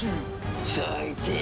最低！